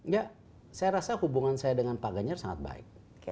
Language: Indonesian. ya saya rasa hubungan saya dengan pak ganjar sangat baik